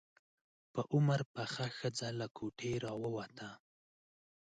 په عمر پخه ښځه له کوټې راووته.